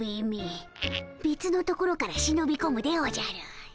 べつのところからしのびこむでおじゃる！